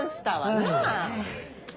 なあ。